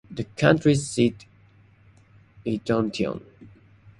The county seat is Eatonton.